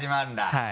はい。